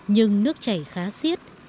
nhưng nước chảy khá xiết